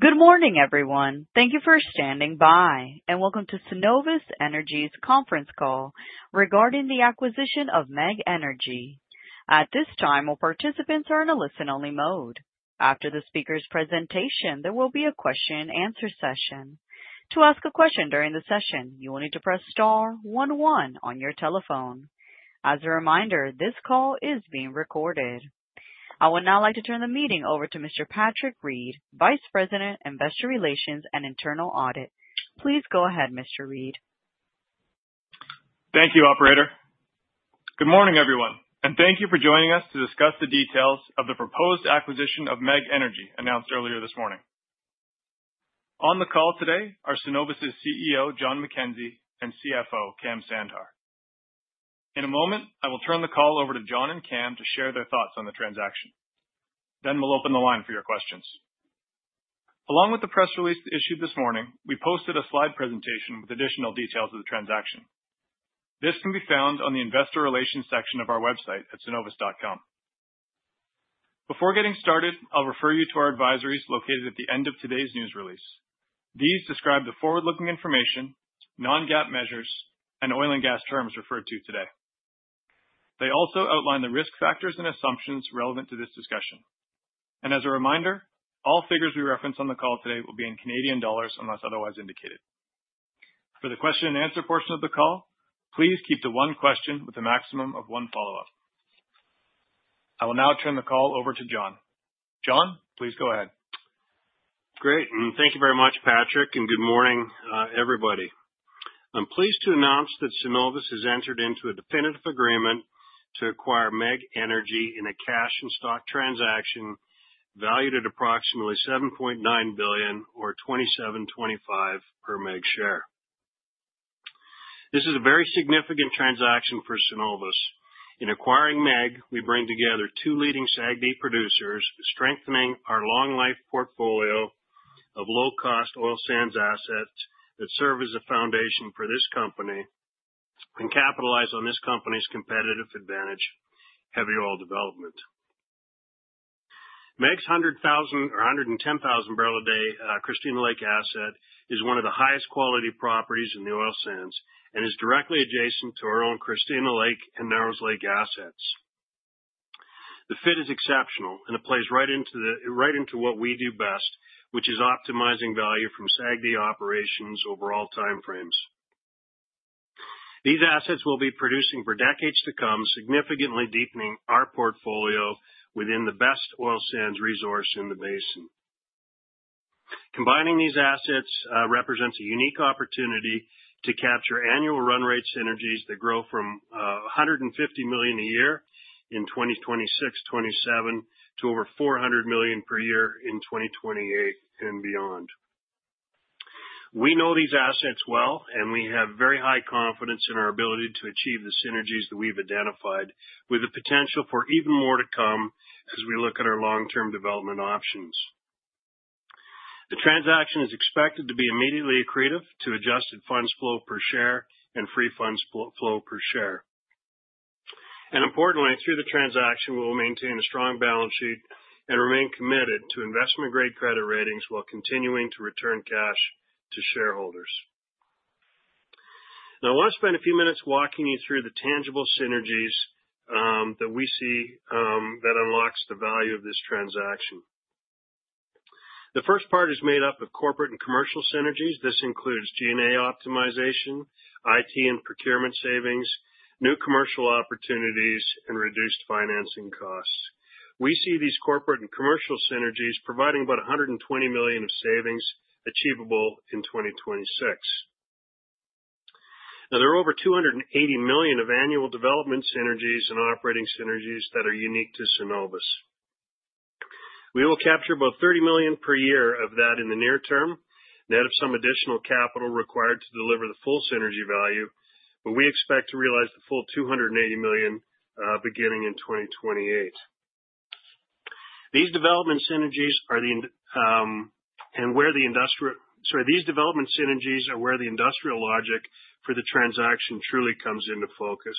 Good morning everyone. Thank you for standing by and welcome to Cenovus Energy's conference call regarding the acquisition of MEG Energy. At this time, all participants are in a listen only mode. After the speaker's presentation, there will be a question and answer session. To ask a question during the session, you'll need to press star one one on your telephone. As a reminder, this call is being recorded. I would now like to turn the meeting over to Mr. Patrick Reid, Vice President, Investor Relations and Internal Audit. Please go ahead, Mr. Reid. Thank you, operator. Good morning, everyone. Thank you for joining us to discuss the details of the proposed acquisition of MEG Energy announced earlier this morning. On the call today are Cenovus' CEO, Jon McKenzie, and CFO, Kam Sandhar. In a moment, I will turn the call over to Jon and Kam to share their thoughts on the transaction, then we'll open the line for your questions. Along with the press release issued this morning, we posted a slide presentation with additional details of the transaction. This can be found on the investor relations section of our website at cenovus.com. Before getting started, I'll refer you to our advisories located at the end of today's news release. These describe the forward-looking information, non-GAAP measures, and oil and gas terms referred to today. They also outline the risk factors and assumptions relevant to this discussion. As a reminder, all figures we reference on the call today will be in CAD unless otherwise indicated. For the question and answer portion of the call, please keep it to one question with a maximum of one follow-up. I will now turn the call over to Jon. Jon, please go ahead. Great. Thank you very much, Patrick, good morning, everybody. I'm pleased to announce that Cenovus has entered into a definitive agreement to acquire MEG Energy in a cash and stock transaction valued at approximately 7.9 billion or 27.25 per MEG share. This is a very significant transaction for Cenovus. In acquiring MEG, we bring together two leading SAGD producers, strengthening our long-life portfolio of low-cost oil sands assets that serve as a foundation for this company, and capitalize on this company's competitive advantage, heavy oil development. MEG's 110,000 barrel a day Christina Lake asset is one of the highest quality properties in the oil sands and is directly adjacent to our own Christina Lake and Narrows Lake assets. The fit is exceptional, and it plays right into what we do best, which is optimizing value from SAGD operations over all time frames. These assets will be producing for decades to come, significantly deepening our portfolio within the best oil sands resource in the basin. Combining these assets represents a unique opportunity to capture annual run rate synergies that grow from 150 million a year in 2026, 2027 to over 400 million per year in 2028 and beyond. We know these assets well, and we have very high confidence in our ability to achieve the synergies that we've identified with the potential for even more to come as we look at our long term development options. The transaction is expected to be immediately accretive to adjusted funds flow per share and free funds flow per share. Importantly, through the transaction, we'll maintain a strong balance sheet and remain committed to investment-grade credit ratings while continuing to return cash to shareholders. I want to spend a few minutes walking you through the tangible synergies that we see that unlocks the value of this transaction. The first part is made up of corporate and commercial synergies. This includes G&A optimization, IT and procurement savings, new commercial opportunities, and reduced financing costs. We see these corporate and commercial synergies providing about 120 million of savings achievable in 2026. There are over 280 million of annual development synergies and operating synergies that are unique to Cenovus. We will capture about 30 million per year of that in the near term, net of some additional capital required to deliver the full synergy value, but we expect to realize the full 280 million beginning in 2028. These development synergies are where the industrial logic for the transaction truly comes into focus.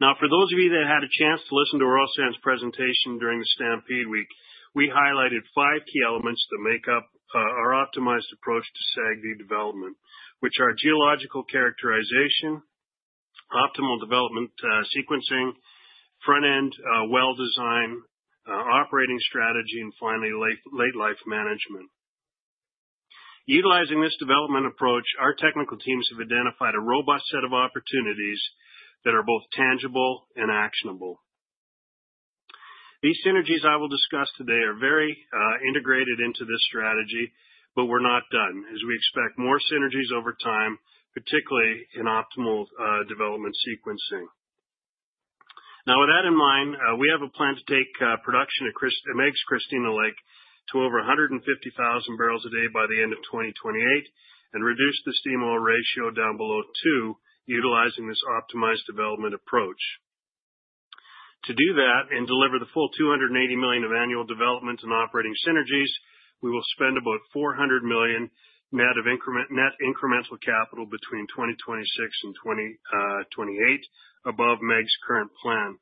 For those of you that had a chance to listen to our oil sands presentation during the Stampede week, we highlighted five key elements that make up our optimized approach to SAGD development, which are geological characterization, optimal development sequencing, front-end well design, operating strategy, and finally, late life management. Utilizing this development approach, our technical teams have identified a robust set of opportunities that are both tangible and actionable. These synergies I will discuss today are very integrated into this strategy, but we're not done as we expect more synergies over time, particularly in optimal development sequencing. With that in mind, we have a plan to take production at MEG's Christina Lake to over 150,000 barrels a day by the end of 2028 and reduce the SOR down below two, utilizing this optimized development approach. To do that and deliver the full 280 million of annual development and operating synergies, we will spend about 400 million net incremental capital between 2026 and 2028 above MEG's current plan.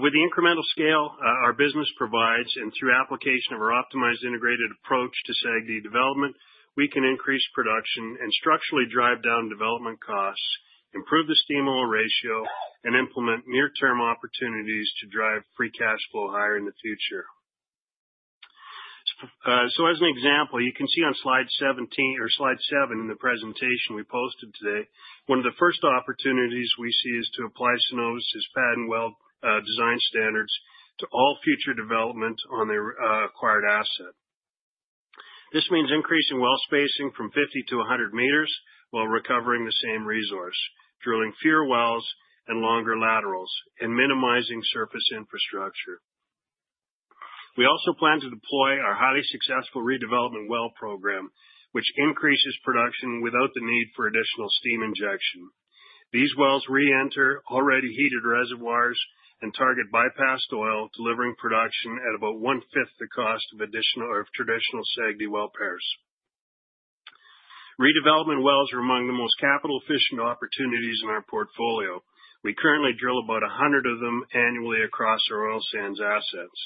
With the incremental scale our business provides, and through application of our optimized integrated approach to SAGD development, we can increase production and structurally drive down development costs, improve the steam-oil ratio, and implement near-term opportunities to drive free cash flow higher in the future. As an example, you can see on slide seven in the presentation we posted today, one of the first opportunities we see is to apply Cenovus's pad and well design standards to all future development on their acquired asset. This means increasing well spacing from 50 meters-100 meters while recovering the same resource, drilling fewer wells and longer laterals and minimizing surface infrastructure. We also plan to deploy our highly successful redevelopment well program, which increases production without the need for additional steam injection. These wells reenter already heated reservoirs and target bypassed oil, delivering production at about one-fifth the cost of traditional SAGD well pairs. Redevelopment wells are among the most capital-efficient opportunities in our portfolio. We currently drill about 100 of them annually across our oil sands assets.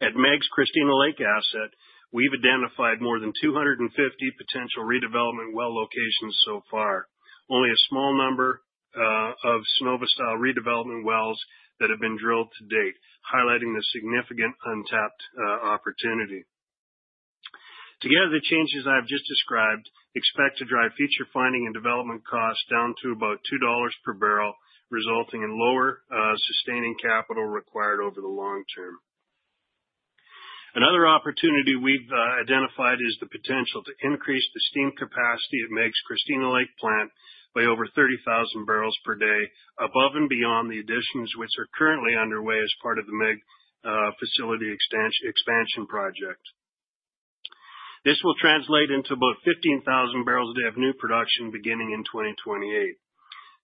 At MEG's Christina Lake asset, we've identified more than 250 potential redevelopment well locations so far. Only a small number of Cenovus-style redevelopment wells that have been drilled to date, highlighting the significant untapped opportunity. Together, the changes I've just described expect to drive future finding and development costs down to about 2 dollars per barrel, resulting in lower sustaining capital required over the long term. Another opportunity we've identified is the potential to increase the steam capacity at MEG's Christina Lake plant by over 30,000 barrels per day, above and beyond the additions which are currently underway as part of the MEG facility expansion project. This will translate into about 15,000 barrels a day of new production beginning in 2028.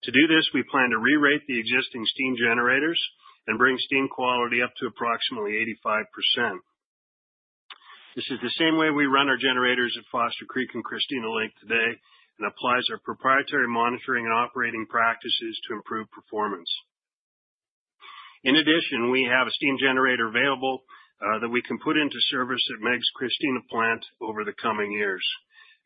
To do this, we plan to rerate the existing steam generators and bring steam quality up to approximately 85%. This is the same way we run our generators at Foster Creek and Christina Lake today and applies our proprietary monitoring and operating practices to improve performance. In addition, we have a steam generator available that we can put into service at MEG's Christina plant over the coming years.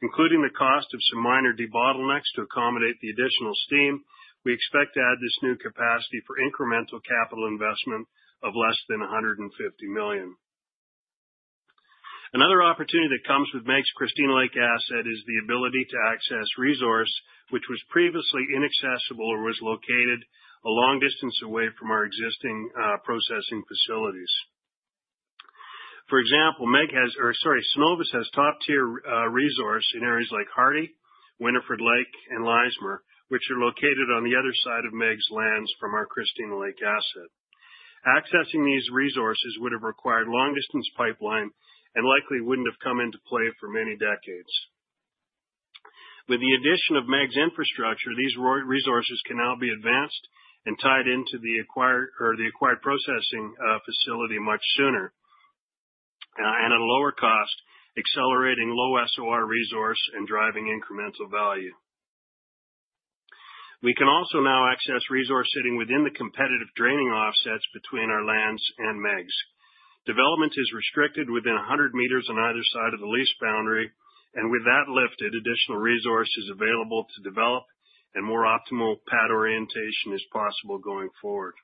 Including the cost of some minor debottlenecks to accommodate the additional steam, we expect to add this new capacity for incremental capital investment of less than 150 million. Another opportunity that comes with MEG's Christina Lake asset is the ability to access resource, which was previously inaccessible or was located a long distance away from our existing processing facilities. For example, Cenovus has top-tier resource in areas like Hardy, Winefred Lake and Leismer, which are located on the other side of MEG's lands from our Christina Lake asset. Accessing these resources would have required long-distance pipeline and likely wouldn't have come into play for many decades. With the addition of MEG's infrastructure, these resources can now be advanced and tied into the acquired processing facility much sooner and at a lower cost, accelerating low SOR resource and driving incremental value. We can also now access resource sitting within the competitive draining offsets between our lands and MEG's. Development is restricted within 100 meters on either side of the lease boundary, and with that lifted, additional resources available to develop and more optimal pad orientation is possible going forward.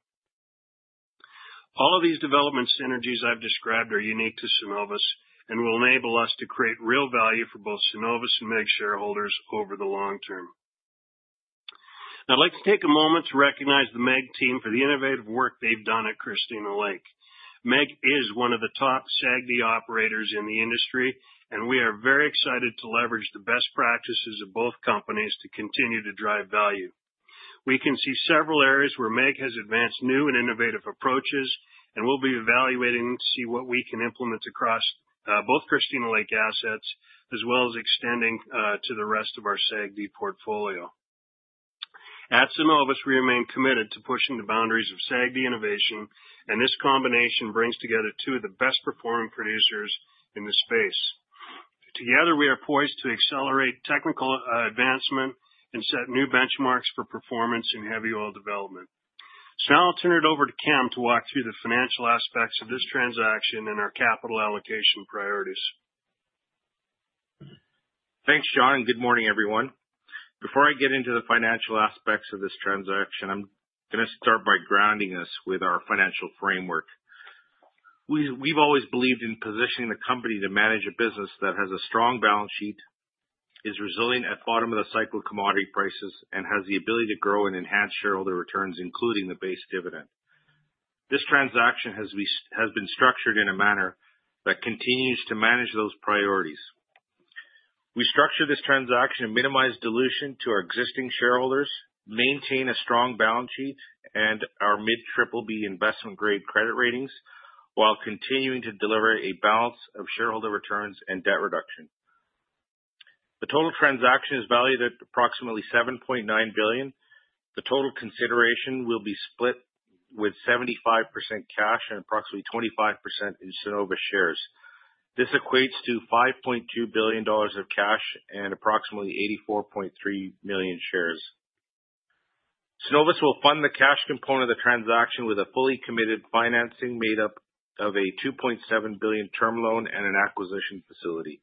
All of these development synergies I've described are unique to Cenovus and will enable us to create real value for both Cenovus and MEG shareholders over the long term. Now, I'd like to take a moment to recognize the MEG team for the innovative work they've done at Christina Lake. MEG is one of the top SAGD operators in the industry, and we are very excited to leverage the best practices of both companies to continue to drive value. We can see several areas where MEG has advanced new and innovative approaches, and we'll be evaluating to see what we can implement across both Christina Lake assets, as well as extending to the rest of our SAGD portfolio. At Cenovus, we remain committed to pushing the boundaries of SAGD innovation, and this combination brings together two of the best performing producers in this space. Together, we are poised to accelerate technical advancement and set new benchmarks for performance in heavy oil development. Now I'll turn it over to Kam to walk through the financial aspects of this transaction and our capital allocation priorities. Thanks, Jon McKenzie. Good morning, everyone. Before I get into the financial aspects of this transaction, I'm going to start by grounding us with our financial framework. We've always believed in positioning the company to manage a business that has a strong balance sheet, is resilient at bottom of the cycle commodity prices, and has the ability to grow and enhance shareholder returns, including the base dividend. This transaction has been structured in a manner that continues to manage those priorities. We structured this transaction to minimize dilution to our existing shareholders, maintain a strong balance sheet and our mid-triple B investment-grade credit ratings while continuing to deliver a balance of shareholder returns and debt reduction. The total transaction is valued at approximately 7.9 billion. The total consideration will be split with 75% cash and approximately 25% in Cenovus shares. This equates to 5.2 billion dollars of cash and approximately 84.3 million shares. Cenovus will fund the cash component of the transaction with a fully committed financing made up of a 2.7 billion term loan and an acquisition facility.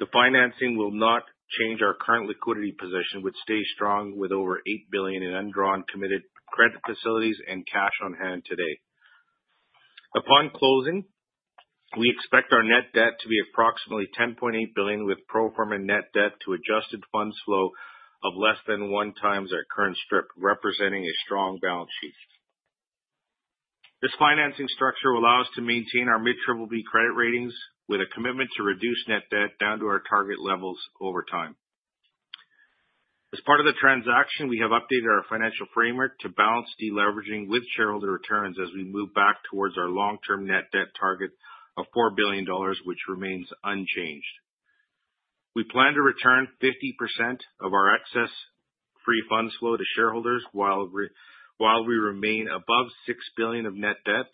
The financing will not change our current liquidity position, which stays strong with over 8 billion in undrawn committed credit facilities and cash on hand today. Upon closing, we expect our net debt to be approximately 10.8 billion, with pro forma net debt to adjusted funds flow of less than one times our current strip, representing a strong balance sheet. This financing structure will allow us to maintain our mid-BBB credit ratings with a commitment to reduce net debt down to our target levels over time. As part of the transaction, we have updated our financial framework to balance de-leveraging with shareholder returns as we move back towards our long-term net debt target of 4 billion dollars, which remains unchanged. We plan to return 50% of our excess free funds flow to shareholders, while we remain above 6 billion of net debt,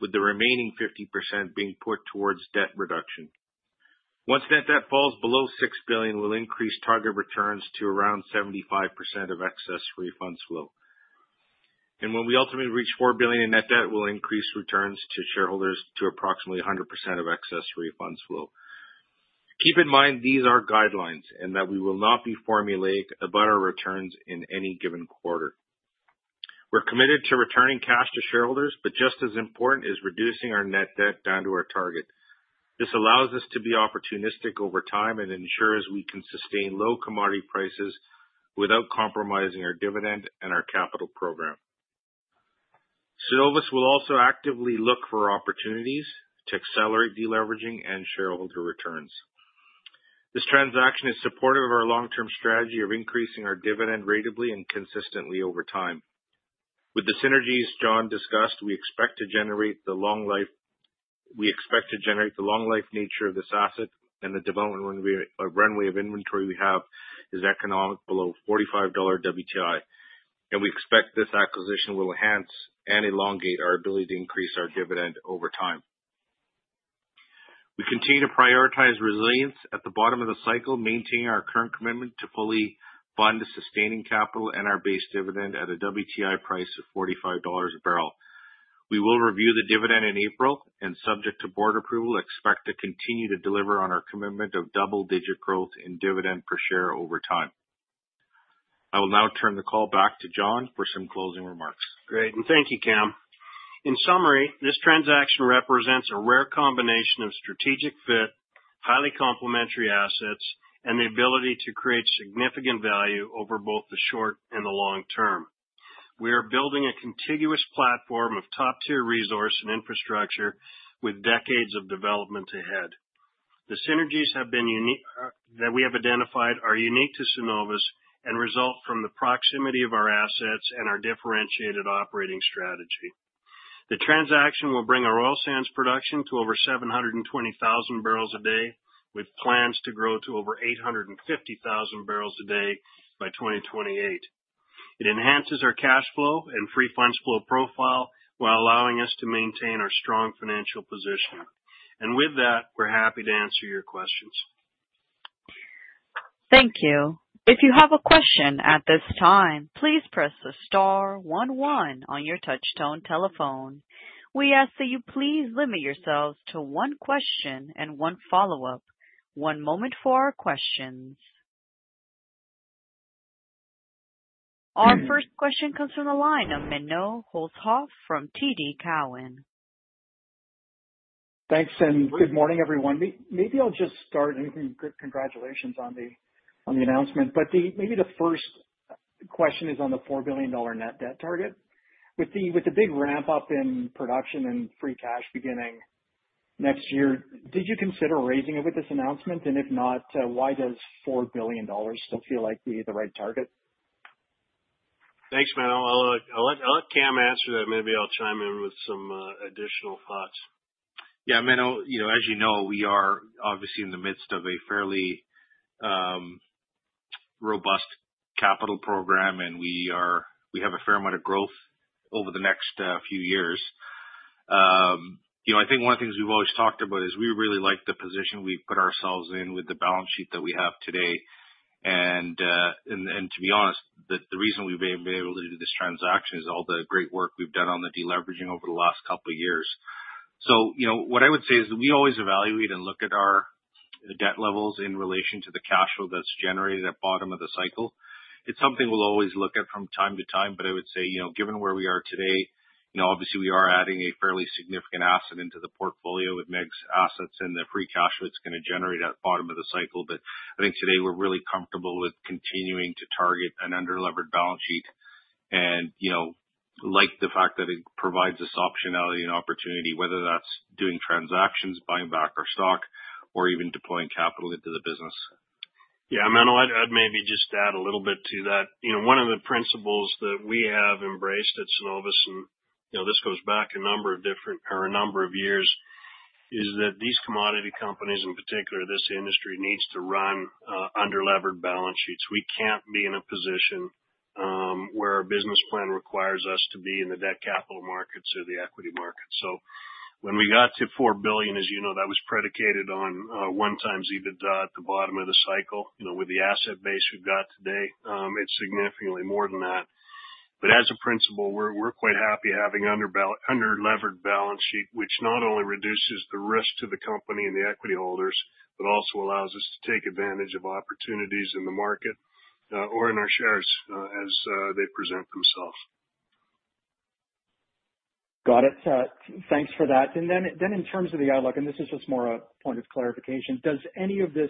with the remaining 50% being put towards debt reduction. Once net debt falls below 6 billion, we'll increase target returns to around 75% of excess free funds flow. When we ultimately reach 4 billion in net debt, we'll increase returns to shareholders to approximately 100% of excess free funds flow. Keep in mind, these are guidelines, and that we will not be formulaic about our returns in any given quarter. We're committed to returning cash to shareholders, just as important is reducing our net debt down to our target. This allows us to be opportunistic over time and ensures we can sustain low commodity prices without compromising our dividend and our capital program. Cenovus will also actively look for opportunities to accelerate de-leveraging and shareholder returns. This transaction is supportive of our long-term strategy of increasing our dividend ratably and consistently over time. With the synergies Jon McKenzie discussed, we expect to generate the long life nature of this asset, and the development runway of inventory we have is economic below 45 dollar WTI, and we expect this acquisition will enhance and elongate our ability to increase our dividend over time. We continue to prioritize resilience at the bottom of the cycle, maintaining our current commitment to fully fund the sustaining capital and our base dividend at a WTI price of 45 dollars a barrel. We will review the dividend in April, and subject to board approval, expect to continue to deliver on our commitment of double-digit growth in dividend per share over time. I will now turn the call back to Jon for some closing remarks. Great, thank you, Kam. In summary, this transaction represents a rare combination of strategic fit, highly complementary assets, and the ability to create significant value over both the short and the long term. We are building a contiguous platform of top tier resource and infrastructure with decades of development ahead. The synergies that we have identified are unique to Cenovus and result from the proximity of our assets and our differentiated operating strategy. The transaction will bring our oil sands production to over 720,000 barrels a day, with plans to grow to over 850,000 barrels a day by 2028. It enhances our cash flow and free funds flow profile while allowing us to maintain our strong financial position. With that, we're happy to answer your questions. Thank you. If you have a question at this time, please press the star one one on your touch tone telephone. We ask that you please limit yourselves to one question and one follow-up. One moment for questions. Our first question comes from the line of Menno Hulshof from TD Cowen. Thanks, good morning, everyone. Maybe I'll just start, congratulations on the announcement. Maybe the first question is on the 4 billion dollar net debt target. With the big ramp up in production and free cash beginning next year, did you consider raising it with this announcement? If not, why does 4 billion dollars still feel like the right target? Thanks, Menno. I'll let Kam answer that. Maybe I'll chime in with some additional thoughts. Yeah, Menno, as you know, we are obviously in the midst of a fairly robust capital program, and we have a fair amount of growth over the next few years. I think one of the things we've always talked about is we really like the position we've put ourselves in with the balance sheet that we have today. To be honest, the reason we've been able to do this transaction is all the great work we've done on the de-leveraging over the last couple of years. What I would say is that we always evaluate and look at our debt levels in relation to the cash flow that's generated at bottom of the cycle. It's something we'll always look at from time-to-time, but I would say, given where we are today, obviously we are adding a fairly significant asset into the portfolio with MEG's assets and the free cash flow it's going to generate at bottom of the cycle. I think today we're really comfortable with continuing to target an under-levered balance sheet and like the fact that it provides us optionality and opportunity, whether that's doing transactions, buying back our stock, or even deploying capital into the business. Yeah, Menno, I'd maybe just add a little bit to that. One of the principles that we have embraced at Cenovus, and this goes back a number of years, is that these commodity companies, in particular this industry, needs to run under-levered balance sheets. We can't be in a position where our business plan requires us to be in the debt capital markets or the equity markets. When we got to 4 billion, as you know, that was predicated on a one times EBITDA at the bottom of the cycle. With the asset base we've got today, it's significantly more than that. As a principle, we're quite happy having under-levered balance sheet, which not only reduces the risk to the company and the equity holders, but also allows us to take advantage of opportunities in the market or in our shares, as they present themselves. Got it. Thanks for that. In terms of the outlook, this is just more a point of clarification, does any of this,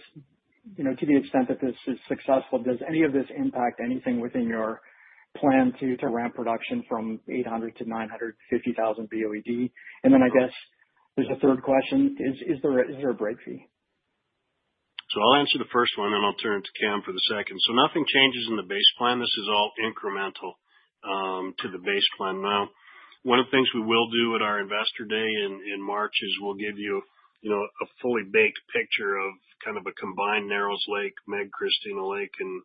to the extent that this is successful, does any of this impact anything within your plan to ramp production from 800 to 950,000 BOED? I guess there's a third question. Is there a break fee? I'll answer the first one, and I'll turn to Kam for the second. Nothing changes in the base plan. This is all incremental to the base plan. One of the things we will do at our Investor Day in March is we'll give you a fully baked picture of kind of a combined Narrows Lake, MEG Christina Lake, and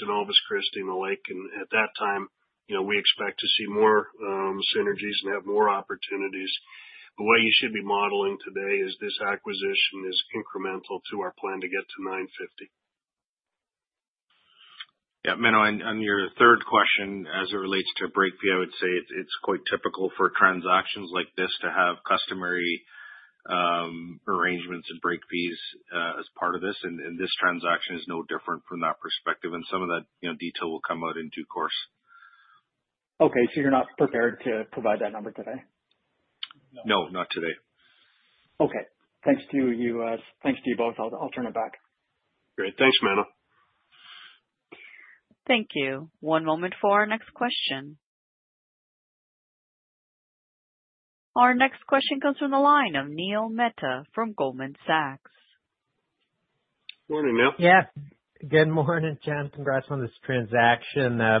Cenovus Christina Lake. At that time, we expect to see more synergies and have more opportunities. The way you should be modeling today is this acquisition is incremental to our plan to get to 950. Yeah, Menno, on your third question, as it relates to a break fee, I would say it's quite typical for transactions like this to have customary arrangements and break fees as part of this, and this transaction is no different from that perspective. Some of that detail will come out in due course. Okay. You're not prepared to provide that number today? No, not today. Okay. Thanks to you both. I'll turn it back. Great. Thanks, Menno. Thank you. One moment for our next question. Our next question comes from the line of Neil Mehta from Goldman Sachs. Morning, Neil. Yeah. Good morning, Jon. Congrats on this transaction. I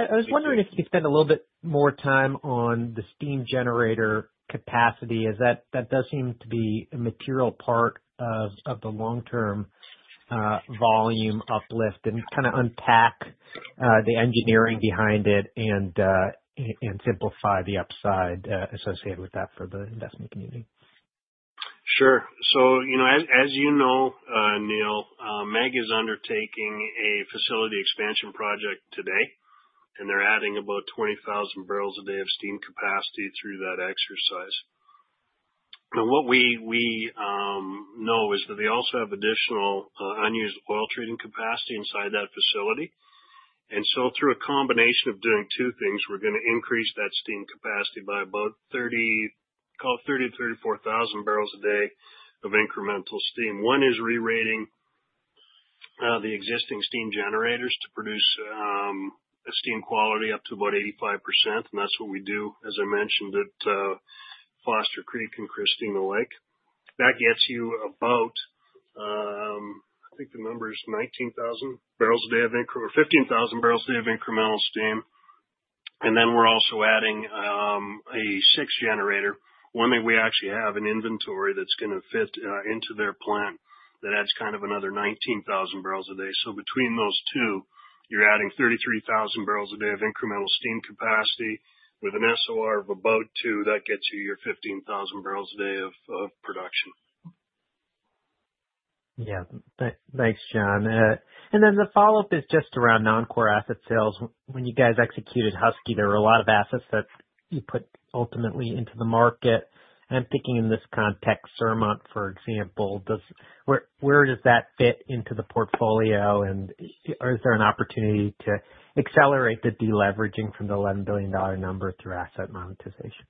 was wondering if you could spend a little bit more time on the steam generator capacity, as that does seem to be a material part of the long-term volume uplift, and kind of unpack the engineering behind it and simplify the upside associated with that for the investment community. Sure. As you know, Neil, MEG is undertaking a facility expansion project today, and they're adding about 20,000 barrels a day of steam capacity through that exercise. What we know is that they also have additional unused oil treating capacity inside that facility. Through a combination of doing two things, we're going to increase that steam capacity by about 30,000-34,000 barrels a day of incremental steam. One is re-rating the existing steam generators to produce steam quality up to about 85%. That's what we do, as I mentioned, at Foster Creek and Christina Lake. That gets you about, I think the number is 19,000 barrels a day, or 15,000 barrels a day of incremental steam. We're also adding a sixth generator, one that we actually have in inventory that's going to fit into their plant. That adds kind of another 19,000 barrels a day. Between those two, you're adding 33,000 barrels a day of incremental steam capacity with an SOR of about two. That gets you your 15,000 barrels a day of production. Yeah. Thanks, Jon. The follow-up is just around non-core asset sales. When you guys executed Husky, there were a lot of assets that you put ultimately into the market. I'm thinking in this context, Surmont, for example. Where does that fit into the portfolio, and is there an opportunity to accelerate the de-leveraging from the 11 billion dollar number through asset monetization?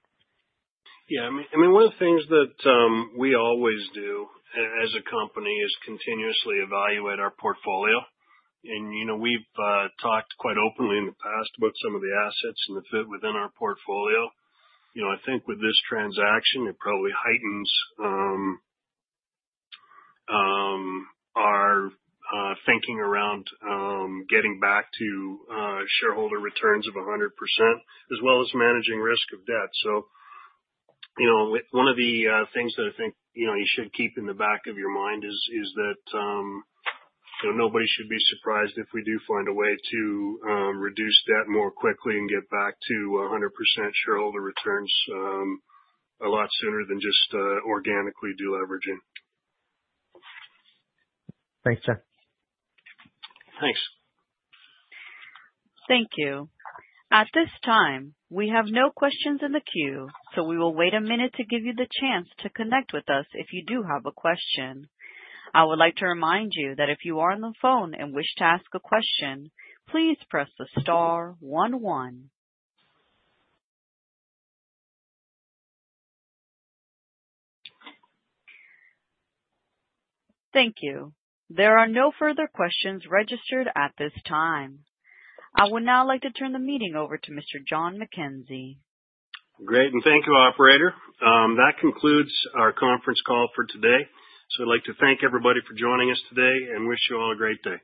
Yeah, one of the things that we always do as a company is continuously evaluate our portfolio. We've talked quite openly in the past about some of the assets and the fit within our portfolio. I think with this transaction, it probably heightens our thinking around getting back to shareholder returns of 100%, as well as managing risk of debt. One of the things that I think you should keep in the back of your mind is that nobody should be surprised if we do find a way to reduce debt more quickly and get back to 100% shareholder returns a lot sooner than just organically de-leveraging. Thanks, Jon. Thanks. Thank you. At this time, we have no questions in the queue, so we will wait a minute to give you the chance to connect with us if you do have a question. I would like to remind you that if you are on the phone and wish to ask a question, please press the star one one. Thank you. There are no further questions registered at this time. I would now like to turn the meeting over to Mr. Jon McKenzie. Great, thank you, operator. That concludes our conference call for today. I'd like to thank everybody for joining us today and wish you all a great day.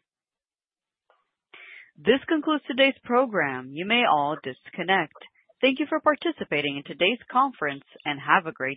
This concludes today's program. You may all disconnect. Thank you for participating in today's conference, and have a great day.